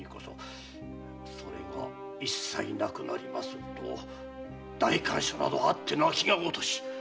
それが一切なくなりますと代官所などあってなきがごとし。